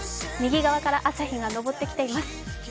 右側から朝日が昇ってきています。